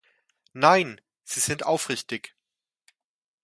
Nein, sie sind aufrichtig.